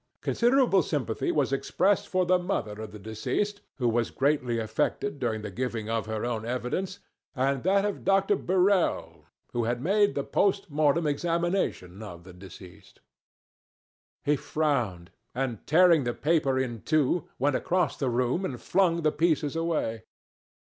Considerable sympathy was expressed for the mother of the deceased, who was greatly affected during the giving of her own evidence, and that of Dr. Birrell, who had made the post mortem examination of the deceased. He frowned, and tearing the paper in two, went across the room and flung the pieces away.